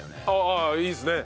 ああいいですね。